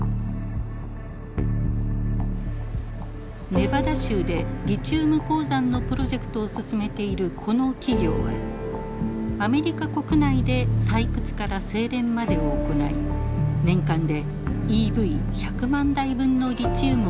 ネバダ州でリチウム鉱山のプロジェクトを進めているこの企業はアメリカ国内で採掘から精錬までを行い年間でＥＶ１００万台分のリチウムを生産する計画です。